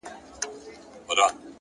زحمت د بریا بنسټ کلکوي!.